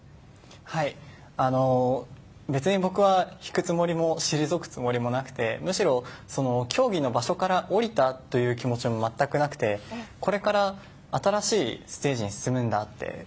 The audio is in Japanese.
別に僕は引くつもりも退くつもりもなくてむしろ、競技の場所から降りたという気持ちもまったくなくてこれから新しいステージに進むんだ